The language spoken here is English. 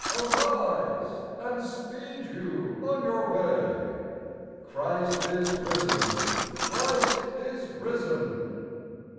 arise ! And speed you on your way. Christ is risen ! Christ is risen